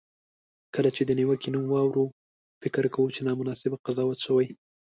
کله چې د نیوکې نوم واورو، فکر کوو چې نامناسبه قضاوت شوی.